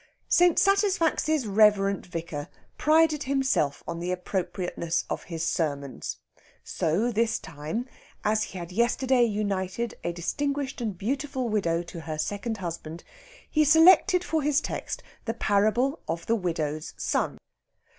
St. Satisfax's Revd. Vicar prided himself on the appropriateness of his sermons; so, this time, as he had yesterday united a distinguished and beautiful widow to her second husband, he selected for his text the parable of the widow's son.